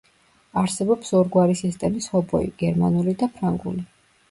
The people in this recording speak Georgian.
არსებობს ორგვარი სისტემის ჰობოი: გერმანული და ფრანგული.